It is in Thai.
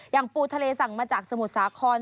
ปูทะเลสั่งมาจากสมุทรสาคร